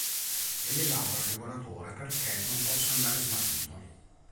È legato al regolatore perché non possa andare smarrito.